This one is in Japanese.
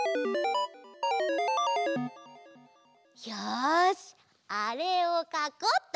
よしあれをかこうっと！